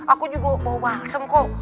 aku juga bawa balsam ko